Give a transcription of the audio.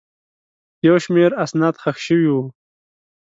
یو شمېر اسناد ښخ شوي وو.